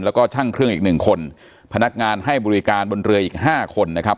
แล้วก็ช่างเครื่องอีกหนึ่งคนพนักงานให้บริการบนเรืออีกห้าคนนะครับ